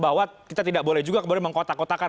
bahwa kita tidak boleh juga kemudian mengkotak kotakan